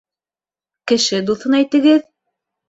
Кеше дуҫын әйтегеҙ?